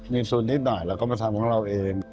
มีซุนนิดหน่อยเราก็มาทำของเราเอง